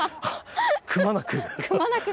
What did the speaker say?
くまなく？